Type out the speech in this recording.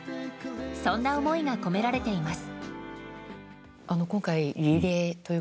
そんな思いが込められています。